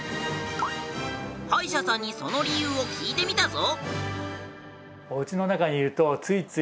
歯医者さんにその理由を聞いてみたぞ。